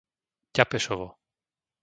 Ťapešovo